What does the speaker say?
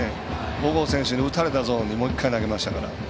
小郷選手に打たれたゾーンにもう１回投げましたから。